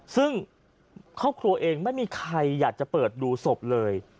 ซึ่งครอบครัวเองไม่มีใครอยากจะเปิดดูศพเลย